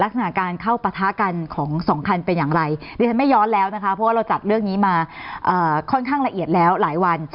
ลักษณะการเข้าปะทะกันของสองคันเป็นอย่างไรดิฉันไม่ย้อนแล้วนะคะเพราะว่าเราจัดเรื่องนี้มาค่อนข้างละเอียดแล้วหลายวัน